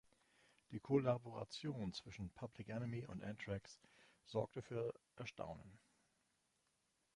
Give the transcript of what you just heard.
Die Kollaboration zwischen Public Enemy und Anthrax sorgte für Erstaunen.